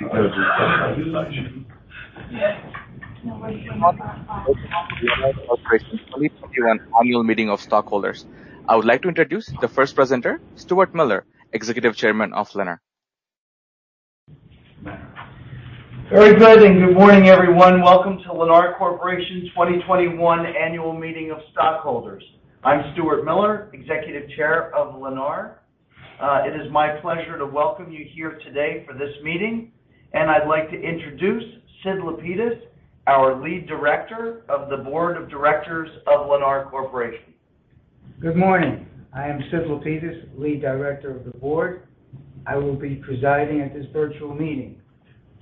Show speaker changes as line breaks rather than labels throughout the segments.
Welcome to Lennar Corporation 2021 Annual Meeting of Stockholders. I would like to introduce the first presenter, Stuart Miller, Executive Chairman of Lennar.
Very good. Good morning, everyone. Welcome to Lennar Corporation's 2021 Annual Meeting of Stockholders. I'm Stuart Miller, Executive Chair of Lennar. It is my pleasure to welcome you here today for this meeting, and I'd like to introduce Sid Lapidus, our Lead Director of the Board of Directors of Lennar Corporation.
Good morning. I am Sid Lapidus, Lead Director of the Board. I will be presiding at this virtual meeting.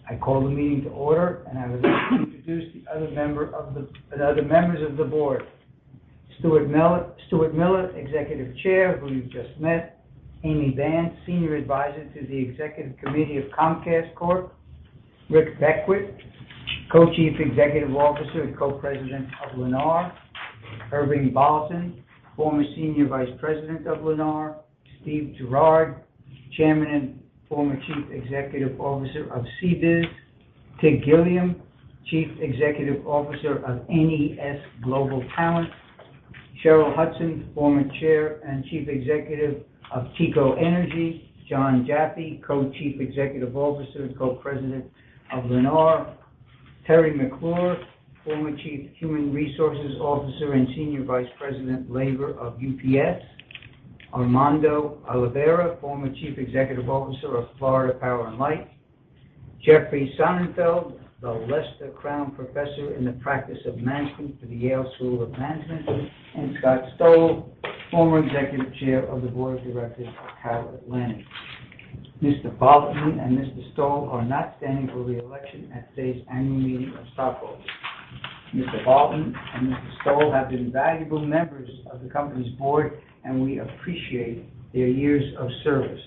I call the meeting to order. I would like to introduce the other members of the Board. Stuart Miller, Executive Chair, who you just met. Amy Banse, Senior Advisor to the Executive Committee of Comcast Corp. Rick Beckwitt, Co-Chief Executive Officer and Co-President of Lennar. Irving Bolotin, former Senior Vice President of Lennar. Steve Gerard, Chairman and former Chief Executive Officer of CBIZ. Tig Gilliam, Chief Executive Officer of NES Global Talent. Sherrill Hudson, former Chair and Chief Executive of TECO Energy. Jon Jaffe, Co-Chief Executive Officer and Co-President of Lennar. Teri McClure, former Chief Human Resources Officer and Senior Vice President, Labor of UPS. Armando Olivera, former Chief Executive Officer of Florida Power & Light. Jeffrey Sonnenfeld, the Lester Crown Professor in the Practice of Management for the Yale School of Management. Scott Stowell, former Executive Chair of the Board of Directors of CalAtlantic. Mr. Bolotin and Mr. Stowell are not standing for re-election at today's annual meeting of stockholders. Mr. Bolotin and Mr. Stowell have been valuable members of the Company's board, and we appreciate their years of service.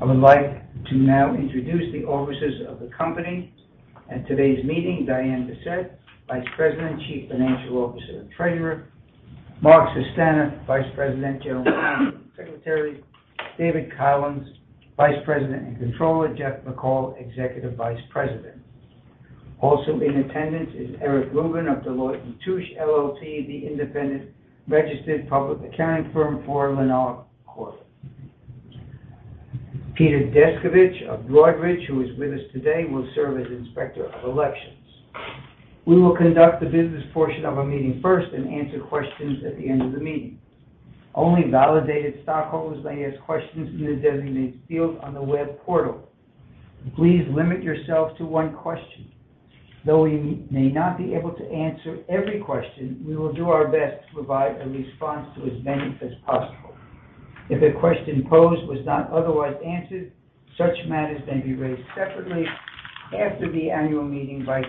I would like to now introduce the officers of the Company at today's meeting. Diane Bessette, Vice President, Chief Financial Officer, and Treasurer. Mark Sustana, Vice President, General Counsel, and Secretary. David Collins, Vice President and Controller. Jeff McCall, Executive Vice President. Also in attendance is Eric Rubin of Deloitte & Touche LLP, the independent registered public accounting firm for Lennar Corp. Peter Descovich of Broadridge, who is with us today, will serve as Inspector of Elections. We will conduct the business portion of our meeting first and answer questions at the end of the meeting. Only validated stockholders may ask questions in the designated field on the web portal. Please limit yourself to one question. We may not be able to answer every question, we will do our best to provide a response to as many as possible. If a question posed was not otherwise answered, such matters may be raised separately after the annual meeting by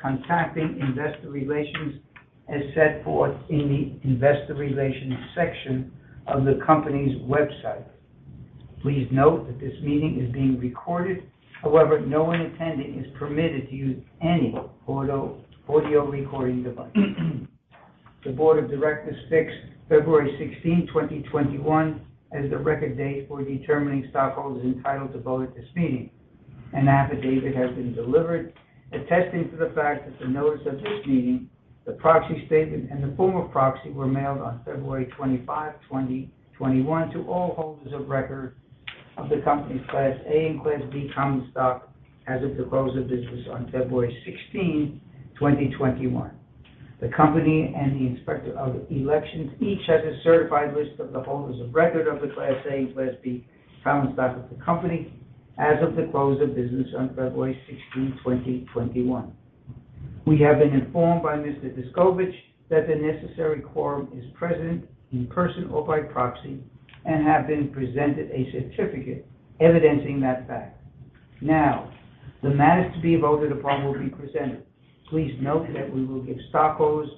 contacting Investor Relations as set forth in the Investor Relations section of the company's website. Please note that this meeting is being recorded. No one attending is permitted to use any audio recording device. The Board of Directors fixed February 16, 2021, as the record date for determining stockholders entitled to vote at this meeting. An affidavit has been delivered attesting to the fact that the notice of this meeting, the proxy statement, and the form of proxy were mailed on February 25, 2021, to all holders of record of the Company's class A and class B common stock as of the close of business on February 16, 2021. The Company and the Inspector of Elections each has a certified list of the holders of record of the class A and class B common stock of the company as of the close of business on February 16, 2021. We have been informed by Mr. Descovich that the necessary quorum is present in person or by proxy and have been presented a certificate evidencing that fact. Now, the matters to be voted upon will be presented. Please note that we will give stockholders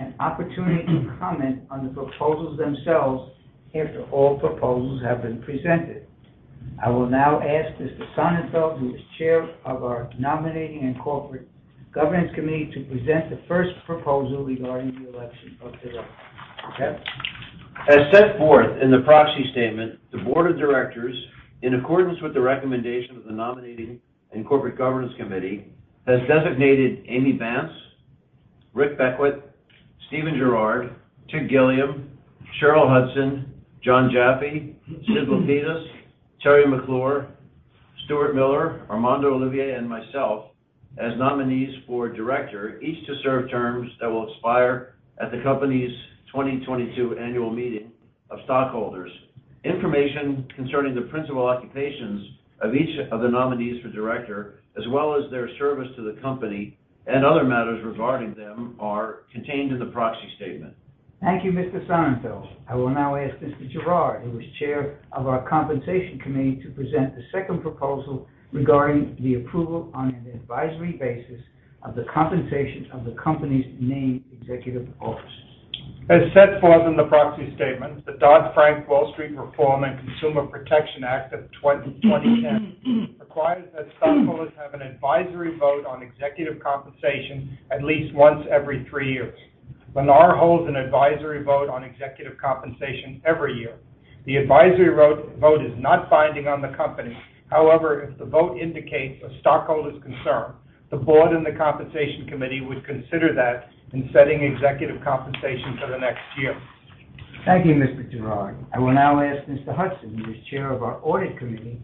an opportunity to comment on the proposals themselves after all proposals have been presented. I will now ask Mr. Sonnenfeld, who is Chair of our Nominating and Corporate Governance Committee, to present the first proposal regarding the election of directors. Jeff?
As set forth in the proxy statement, the Board of Directors, in accordance with the recommendation of the Nominating and Corporate Governance Committee, has designated Amy Banse, Rick Beckwitt, Steven Gerard, Tig Gilliam, Sherrill Hudson, Jon Jaffe, Sid Lapidus, Teri McClure, Stuart Miller, Armando Olivera, and myself as nominees for Director, each to serve terms that will expire at the Company's 2022 Annual Meeting of Stockholders. Information concerning the principal occupations of each of the nominees for Director, as well as their service to the company and other matters regarding them, are contained in the proxy statement.
Thank you, Mr. Sonnenfeld. I will now ask Mr. Gerard, who is Chair of our Compensation Committee, to present the second proposal regarding the approval on an advisory basis of the compensation of the company's named executive officers.
As set forth in the proxy statement, the Dodd-Frank Wall Street Reform and Consumer Protection Act of 2010 requires that stockholders have an advisory vote on executive compensation at least once every three years. Lennar holds an advisory vote on executive compensation every year. The advisory vote is not binding on the company. If the vote indicates a stockholder's concern, the Board and the Compensation Committee would consider that in setting executive compensation for the next year.
Thank you, Mr. Gerard. I will now ask Mr. Hudson, who is Chair of our Audit Committee,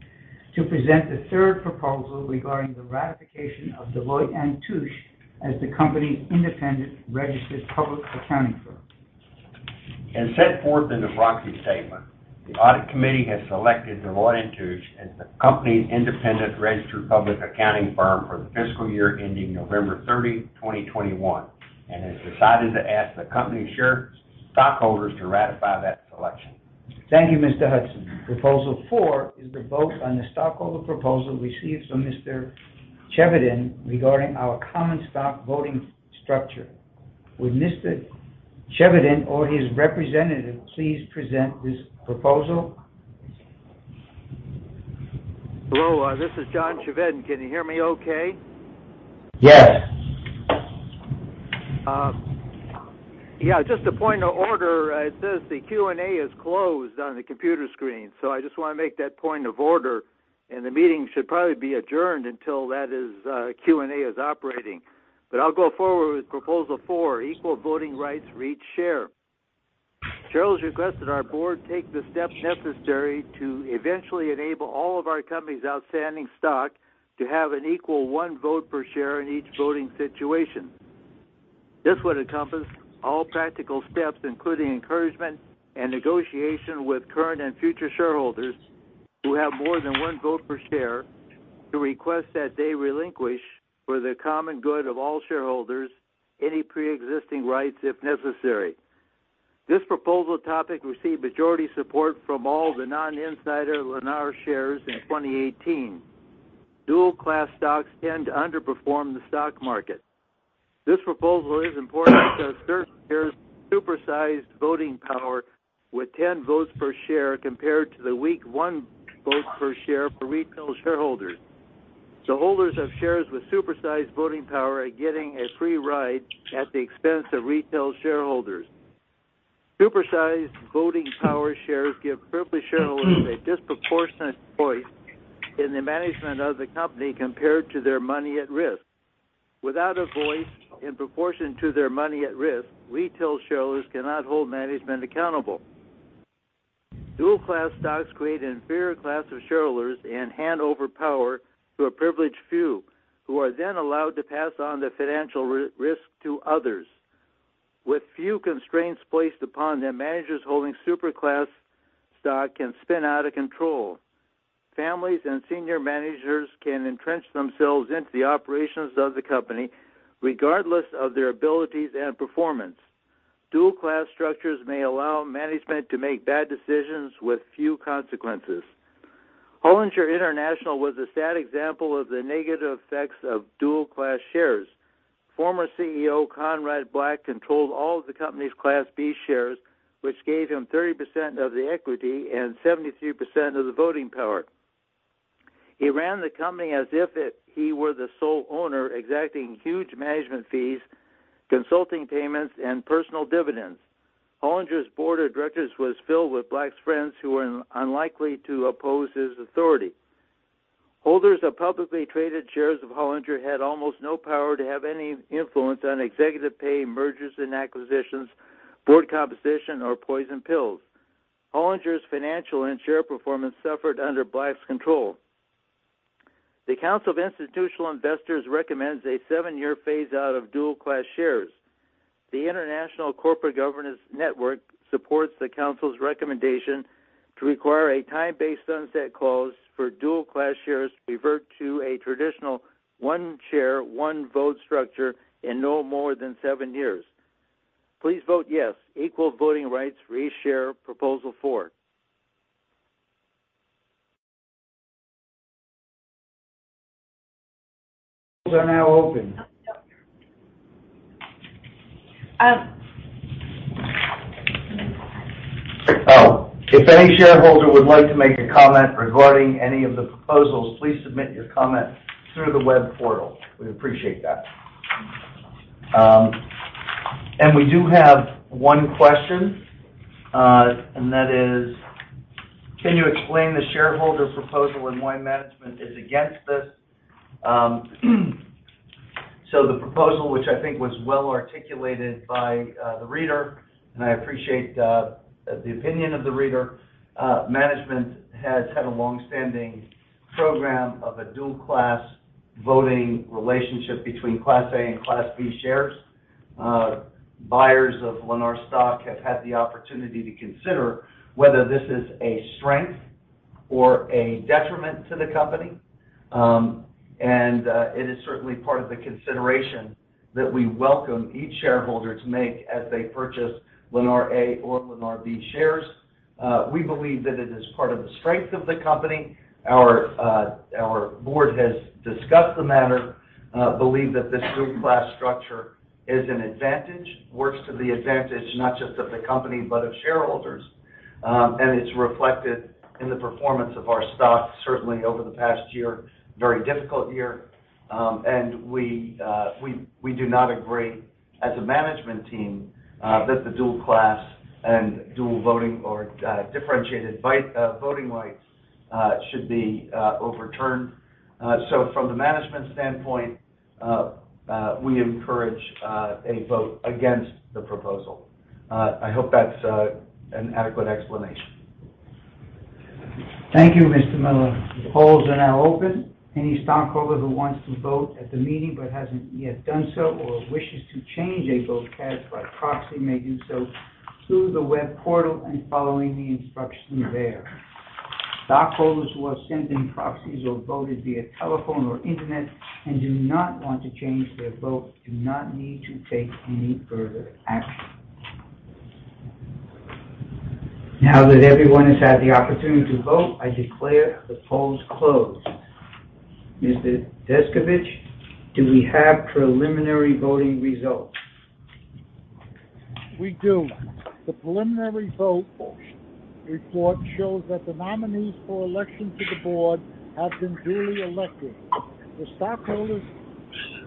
to present the third proposal regarding the ratification of Deloitte & Touche as the company's independent registered public accounting firm.
As set forth in the proxy statement, the Audit Committee has selected Deloitte & Touche as the Company's independent registered public accounting firm for the fiscal year ending November 30, 2021, and has decided to ask the company shareholders to ratify that selection.
Thank you, Mr. Hudson. Proposal 4 is the vote on the stockholder proposal received from Mr. Chevedden regarding our common stock voting structure. Would Mr. Chevedden or his representative please present this proposal?
Hello, this is John Chevedden. Can you hear me okay?
Yes.
Yeah, just a point of order. It says the Q&A is closed on the computer screen. I just want to make that point of order, and the meeting should probably be adjourned until Q&A is operating. I'll go forward with Proposal 4, equal voting rights for each share. Shareholders requested our Board take the steps necessary to eventually enable all of our company's outstanding stock to have an equal one vote per share in each voting situation. This would encompass all practical steps, including encouragement and negotiation with current and future shareholders who have more than one vote per share, to request that they relinquish, for the common good of all shareholders, any preexisting rights, if necessary. This proposal topic received majority support from all the non-insider Lennar shares in 2018. Dual-class stocks tend to underperform the stock market. This proposal is important because certain shares supersized voting power with 10 votes per share compared to the weak one vote per share for retail shareholders. The holders of shares with supersized voting power are getting a free ride at the expense of retail shareholders. Supersized voting power shares give privileged shareholders a disproportionate voice in the management of the company compared to their money at risk. Without a voice in proportion to their money at risk, retail shareholders cannot hold management accountable. Dual-class stocks create an inferior class of shareholders and hand over power to a privileged few, who are then allowed to pass on the financial risk to others. With few constraints placed upon them, managers holding super class stock can spin out of control. Families and senior managers can entrench themselves into the operations of the company, regardless of their abilities and performance. Dual-class structures may allow management to make bad decisions with few consequences. Hollinger International was a sad example of the negative effects of dual-class shares. Former CEO Conrad Black controlled all of the Company's class B shares, which gave him 30% of the equity and 73% of the voting power. He ran the company as if he were the sole owner, exacting huge management fees, consulting payments, and personal dividends. Hollinger's board of directors was filled with Black's friends who were unlikely to oppose his authority. Holders of publicly traded shares of Hollinger had almost no power to have any influence on executive pay, mergers and acquisitions, board composition, or poison pills. Hollinger's financial and share performance suffered under Black's control. The Council of Institutional Investors recommends a seven-year phase-out of dual-class shares. The International Corporate Governance Network supports the Council's recommendation to require a time-based sunset clause for dual-class shares to revert to a traditional one share, one vote structure in no more than seven years. Please vote yes. Equal voting rights for each share, Proposal 4.
Are now open. If any shareholder would like to make a comment regarding any of the proposals, please submit your comment through the web portal. We'd appreciate that. We do have one question, and that is, can you explain the shareholder proposal and why management is against this? The proposal, which I think was well articulated by the reader, and I appreciate the opinion of the reader. Management has had a longstanding program of a dual-class voting relationship between class A and class B shares. Buyers of Lennar stock have had the opportunity to consider whether this is a strength or a detriment to the Company. It is certainly part of the consideration that we welcome each shareholder to make as they purchase Lennar A or Lennar B shares. We believe that it is part of the strength of the Company. Our Board has discussed the matter, believe that this dual-class structure is an advantage. Works to the advantage not just of the Company, but of shareholders. It's reflected in the performance of our stock, certainly over the past year, very difficult year. We do not agree as a management team that the dual-class And dual voting or differentiated voting rights should be overturned. From the management standpoint, we encourage a vote against the proposal. I hope that's an adequate explanation.
Thank you, Mr. Miller. The polls are now open. Any stockholder who wants to vote at the meeting but hasn't yet done so or wishes to change a vote cast by proxy may do so through the web portal and following the instructions there. Stockholders who are sending proxies or voted via telephone or internet and do not want to change their vote do not need to take any further action. Now that everyone has had the opportunity to vote, I declare the polls closed. Mr. Descovich, do we have preliminary voting results?
We do. The preliminary vote report shows that the nominees for election to the board have been duly elected. The stockholders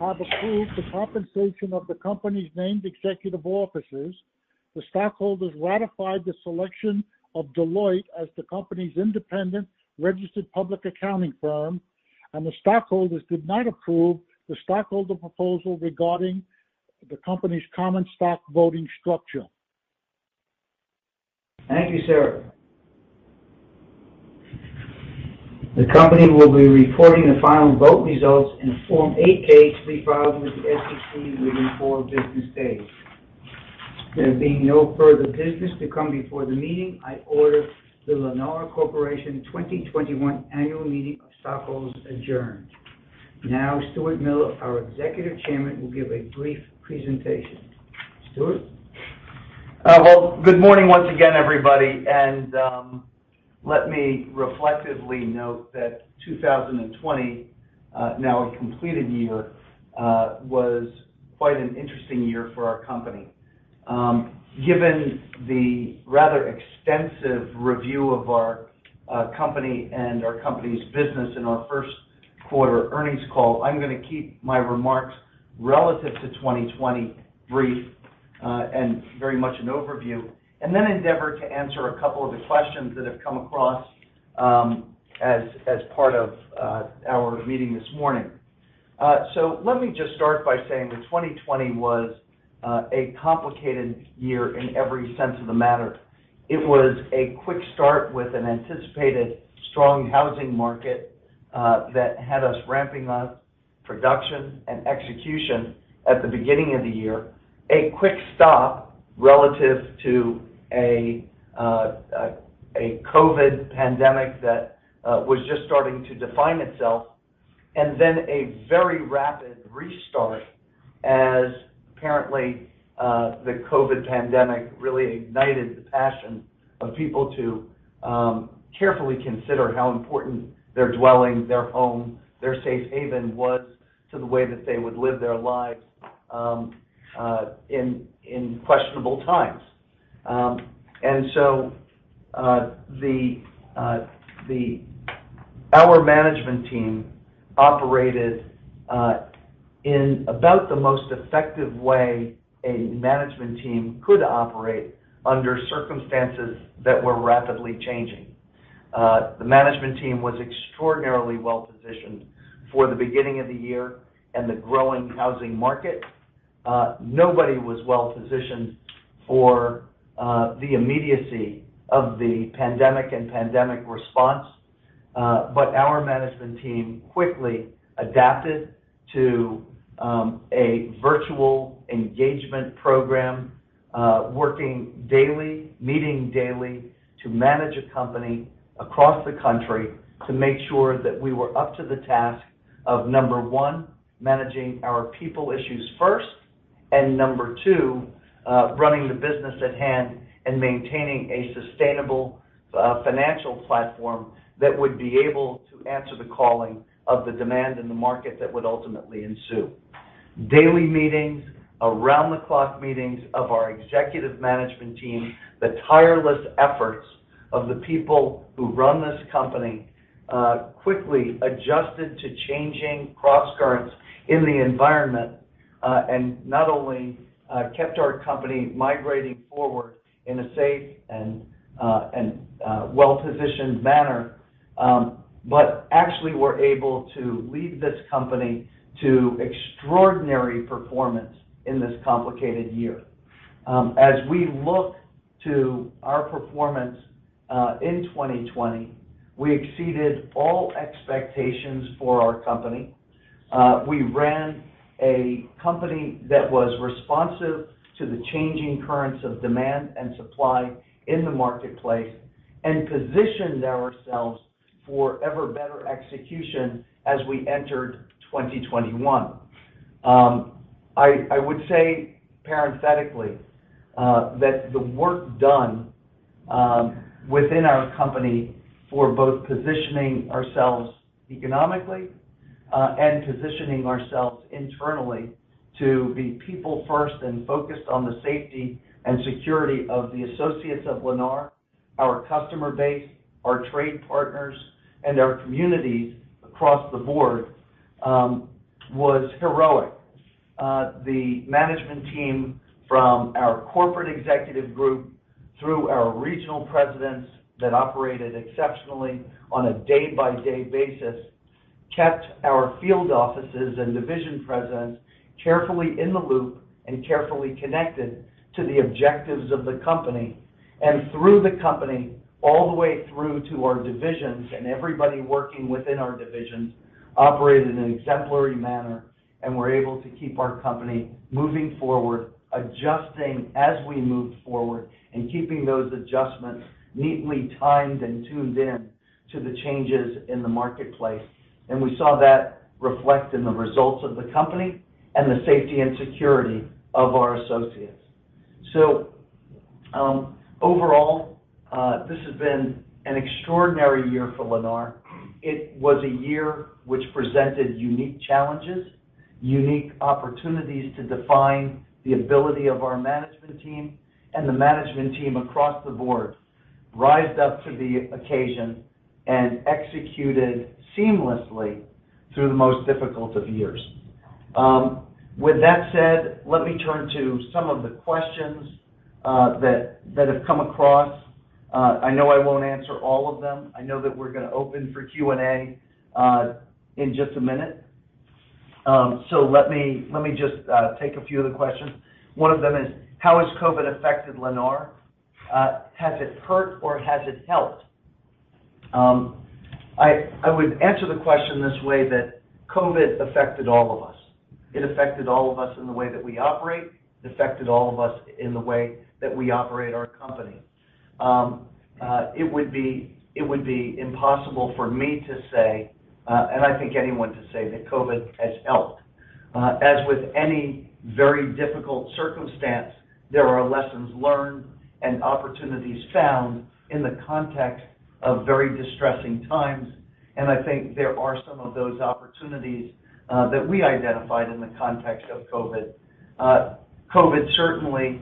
have approved the compensation of the Company's named executive officers. The stockholders ratified the selection of Deloitte as the Company's independent registered public accounting firm. The stockholders did not approve the stockholder proposal regarding the Company's common stock voting structure.
Thank you, sir. The Company will be reporting the final vote results in Form 8-K to be filed with the SEC within four business days. There being no further business to come before the meeting, I order the Lennar Corporation 2021 Annual Meeting of Stockholders adjourned. Now, Stuart Miller, our Executive Chairman, will give a brief presentation. Stuart?
Well, good morning once again, everybody, and let me reflectively note that 2020, now a completed year, was quite an interesting year for our Company. Given the rather extensive review of our Company and our company's business in our first quarter earnings call, I'm going to keep my remarks relative to 2020 brief, and very much an overview, and then endeavor to answer a couple of the questions that have come across as part of our meeting this morning. Let me just start by saying that 2020 was a complicated year in every sense of the matter. It was a quick start with an anticipated strong housing market that had us ramping up production and execution at the beginning of the year. A quick stop relative to a COVID pandemic that was just starting to define itself, and then a very rapid restart as apparently the COVID pandemic really ignited the passion of people to carefully consider how important their dwelling, their home, their safe haven was to the way that they would live their lives in questionable times. Our management team operated in about the most effective way a management team could operate under circumstances that were rapidly changing. The management team was extraordinarily well-positioned for the beginning of the year and the growing housing market. Nobody was well-positioned for the immediacy of the pandemic and pandemic response. Our management team quickly adapted to a virtual engagement program, working daily, meeting daily to manage a company across the country to make sure that we were up to the task of, number one, managing our people issues first, and number two, running the business at hand and maintaining a sustainable financial platform that would be able to answer the calling of the demand in the market that would ultimately ensue. Daily meetings, around-the-clock meetings of our executive management team, the tireless efforts of the people who run this company quickly adjusted to changing crosscurrents in the environment. Not only kept our company migrating forward in a safe and well-positioned manner, but actually were able to lead this company to extraordinary performance in this complicated year. As we look to our performance in 2020, we exceeded all expectations for our company. We ran a company that was responsive to the changing currents of demand and supply in the marketplace and positioned ourselves for ever better execution as we entered 2021. I would say parenthetically that the work done within our company for both positioning ourselves economically and positioning ourselves internally to be people first and focused on the safety and security of the associates of Lennar, our customer base, our trade partners, and our communities across the board was heroic. The management team from our corporate executive group, through our regional presidents that operated exceptionally on a day-by-day basis, kept our field offices and division presidents carefully in the loop and carefully connected to the objectives of the Company. Through the Company, all the way through to our divisions and everybody working within our divisions, operated in an exemplary manner, and were able to keep our company moving forward, adjusting as we moved forward, and keeping those adjustments neatly timed and tuned in to the changes in the marketplace. We saw that reflect in the results of the company and the safety and security of our associates. Overall, this has been an extraordinary year for Lennar. It was a year which presented unique challenges, unique opportunities to define the ability of our management team, and the management team across the board rised up to the occasion and executed seamlessly through the most difficult of years. With that said, let me turn to some of the questions that have come across. I know I won't answer all of them. I know that we're going to open for Q&A in just a minute. Let me just take a few of the questions. One of them is, "How has COVID affected Lennar? Has it hurt, or has it helped?" I would answer the question this way, that COVID affected all of us. It affected all of us in the way that we operate. It affected all of us in the way that we operate our company. It would be impossible for me to say, and I think anyone to say, that COVID has helped. As with any very difficult circumstance, there are lessons learned and opportunities found in the context of very distressing times, and I think there are some of those opportunities that we identified in the context of COVID. COVID certainly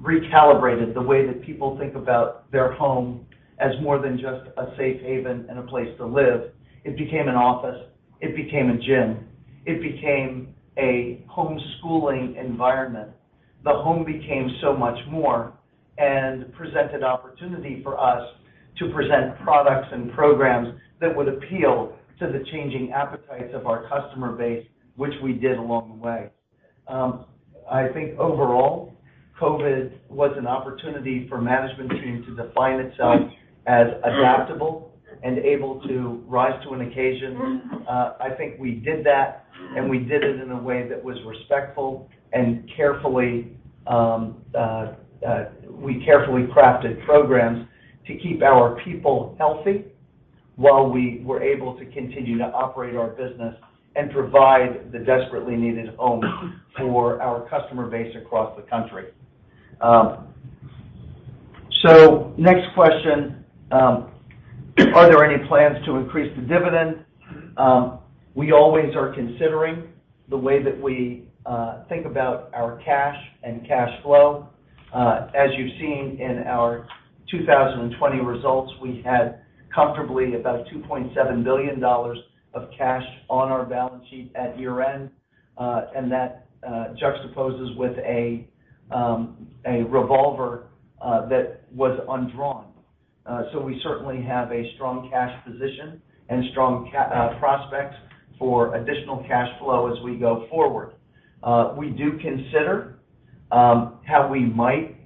recalibrated the way that people think about their home as more than just a safe haven and a place to live. It became an office, it became a gym, it became a homeschooling environment. The home became so much more and presented opportunity for us to present products and programs that would appeal to the changing appetites of our customer base, which we did along the way. I think overall, COVID was an opportunity for management team to define itself as adaptable and able to rise to an occasion. I think we did that, and we did it in a way that was respectful, and we carefully crafted programs to keep our people healthy while we were able to continue to operate our business and provide the desperately needed homes for our customer base across the country. Next question, "Are there any plans to increase the dividend?" We always are considering the way that we think about our cash and cash flow. As you've seen in our 2020 results, we had comfortably about $2.7 billion of cash on our balance sheet at year-end. That juxtaposes with a revolver that was undrawn. We certainly have a strong cash position and strong prospects for additional cash flow as we go forward. We do consider how we might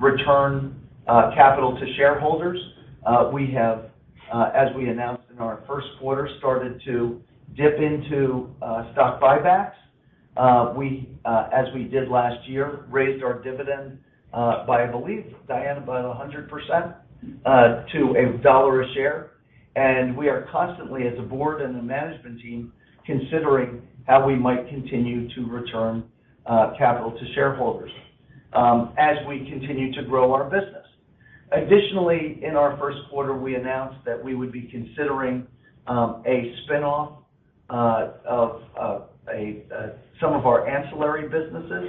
return capital to shareholders. We have, as we announced in our first quarter, started to dip into stock buybacks. We, as we did last year, raised our dividend by, I believe, Diane, by 100% to a $1 share. We are constantly as a board and a management team considering how we might continue to return capital to shareholders as we continue to grow our business. Additionally, in our first quarter, we announced that we would be considering a spinoff of some of our ancillary businesses.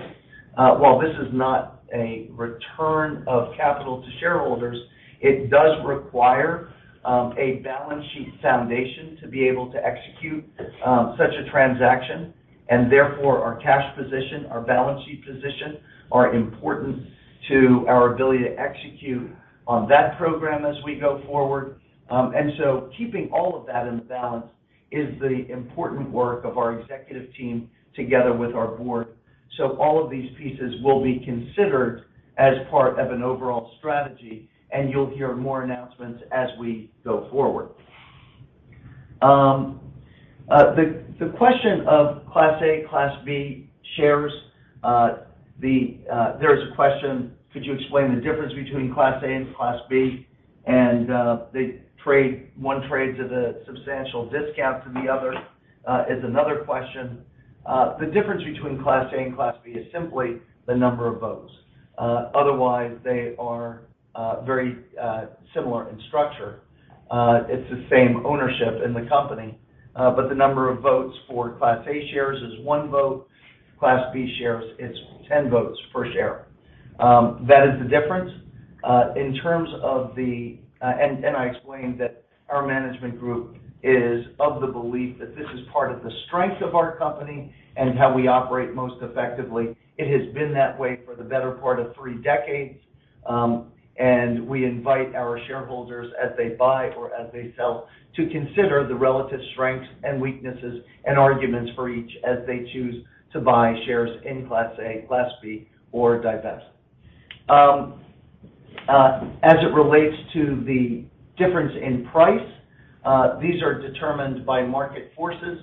While this is not a return of capital to shareholders, it does require a balance sheet foundation to be able to execute such a transaction. Therefore, our cash position, our balance sheet position, are important to our ability to execute on that program as we go forward. Keeping all of that in the balance is the important work of our executive team together with our Board. All of these pieces will be considered as part of an overall strategy, and you'll hear more announcements as we go forward. The question of class A, class B shares. There is a question, "Could you explain the difference between class A and class B?" One trades at a substantial discount to the other is another question. The difference between class A and class B is simply the number of votes. Otherwise, they are very similar in structure. It's the same ownership in the company, but the number of votes for class A shares is one vote. Class B shares, it's 10 votes per share. That is the difference. I explained that our management group is of the belief that this is part of the strength of our company and how we operate most effectively. It has been that way for the better part of three decades. We invite our shareholders as they buy or as they sell to consider the relative strengths and weaknesses and arguments for each as they choose to buy shares in class A, class B or divest. As it relates to the difference in price, these are determined by market forces.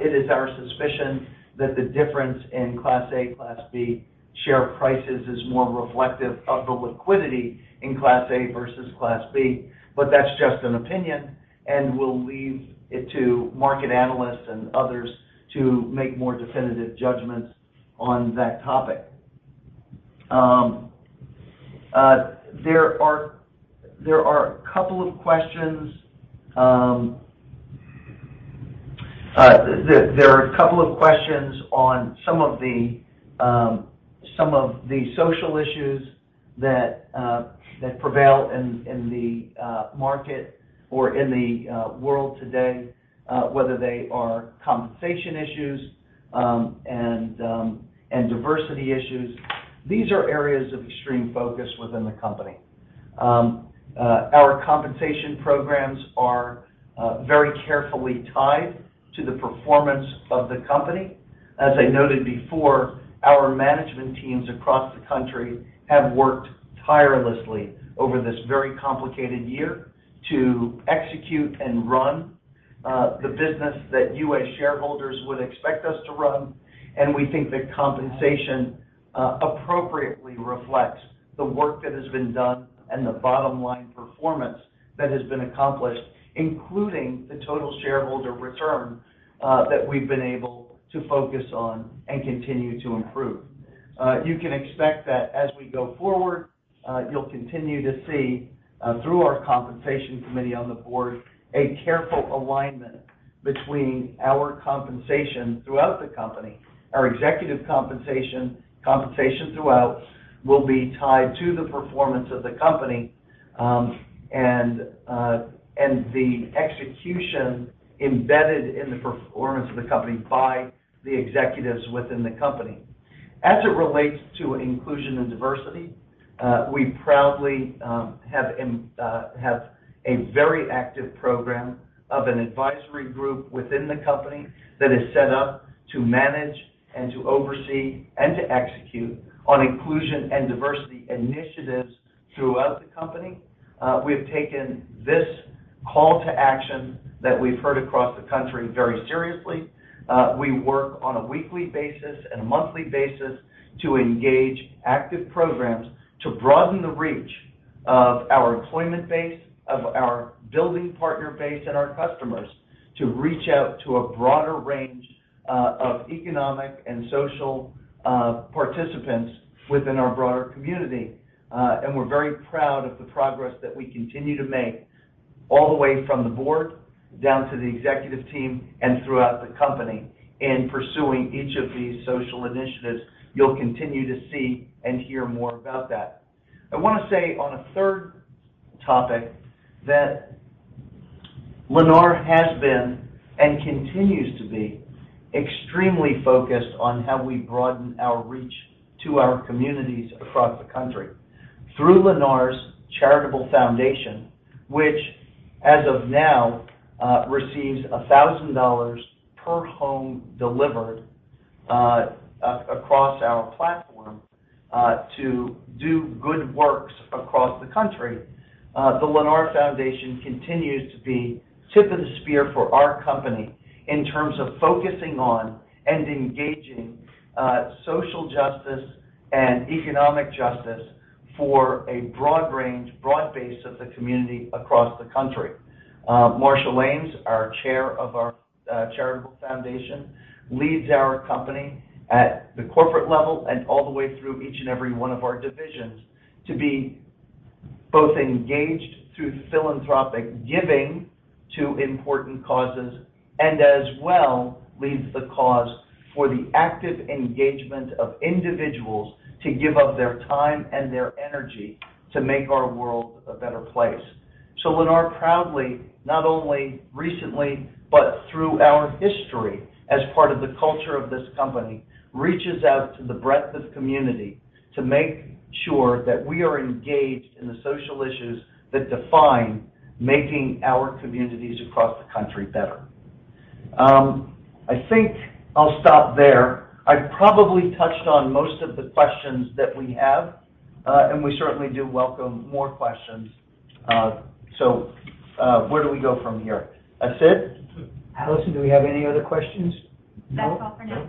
It is our suspicion that the difference in class A, class B share prices is more reflective of the liquidity in class A versus class B, but that's just an opinion, and we'll leave it to market analysts and others to make more definitive judgments on that topic. There are a couple of questions on some of the social issues that prevail in the market or in the world today, whether they are compensation issues and diversity issues. These are areas of extreme focus within the company. Our compensation programs are very carefully tied to the performance of the company. As I noted before, our management teams across the country have worked tirelessly over this very complicated year to execute and run the business that you, as shareholders, would expect us to run. We think that compensation appropriately reflects the work that has been done and the bottom-line performance that has been accomplished, including the total shareholder return that we've been able to focus on and continue to improve. You can expect that as we go forward, you'll continue to see through our compensation committee on the board, a careful alignment between our compensation throughout the company. Our executive compensation throughout will be tied to the performance of the company, and the execution embedded in the performance of the company by the executives within the company. As it relates to Inclusion and Diversity, we proudly have a very active program of an advisory group within the company that is set up to manage and to oversee, and to execute on Inclusion and Diversity initiatives throughout the company. We have taken this call to action that we've heard across the country very seriously. We work on a weekly basis and a monthly basis to engage active programs to broaden the reach of our employment base, of our building partner base, and our customers to reach out to a broader range of economic and social participants within our broader community. We're very proud of the progress that we continue to make all the way from the board down to the executive team and throughout the company in pursuing each of these social initiatives. You'll continue to see and hear more about that. I want to say on a third topic that Lennar has been and continues to be extremely focused on how we broaden our reach to our communities across the country through Lennar's Charitable Foundation, which as of now, receives $1,000 per home delivered across our platform to do good works across the country. The Lennar Foundation continues to be tip of the spear for our company in terms of focusing on and engaging social justice and economic justice for a broad range, broad base of the community across the country. Marshall Ames, our Chair of our Charitable Foundation, leads our company at the corporate level and all the way through each and every one of our divisions to be both engaged through philanthropic giving to important causes, and as well leads the cause for the active engagement of individuals to give of their time and their energy to make our world a better place. Lennar proudly, not only recently, but through our history as part of the culture of this company, reaches out to the breadth of community to make sure that we are engaged in the social issues that define making our communities across the country better. I think I'll stop there. I probably touched on most of the questions that we have. We certainly do welcome more questions. Where do we go from here? Sid?
Allison, do we have any other questions?
That's all for now.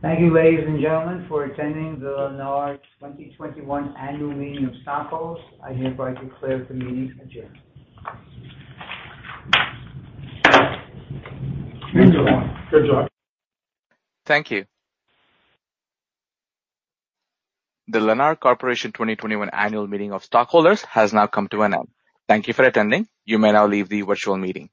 Thank you, ladies and gentlemen, for attending the Lennar 2021 Annual Meeting of Stockholders. I hereby declare the meeting adjourned.
Thanks, everyone. Good job.
Thank you. The Lennar Corporation 2021 Annual Meeting of Stockholders has now come to an end. Thank you for attending. You may now leave the virtual meeting.